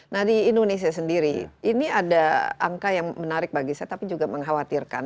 nah di indonesia sendiri ini ada angka yang menarik bagi saya tapi juga mengkhawatirkan